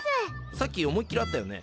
さっき思いっきり会ったよね？